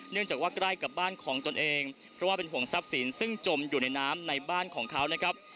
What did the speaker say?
จากว่าใกล้กับบ้านของตนเองเพราะว่าเป็นห่วงทรัพย์สินซึ่งจมอยู่ในน้ำในบ้านของเขานะครับ